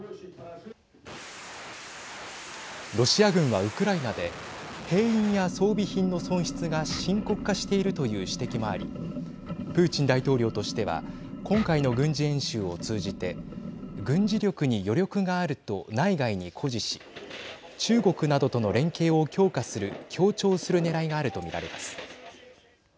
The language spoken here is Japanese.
ロシア軍は、ウクライナで兵員や装備品の損失が深刻化しているという指摘もありプーチン大統領としては今回の軍事演習を通じて軍事力に余力があると内外に誇示し中国などとの連携を強調するねらいがあると見られます。